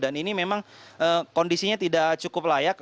dan ini memang kondisinya tidak cukup layak